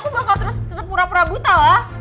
ya aku bakal terus tetep pura pura buta lah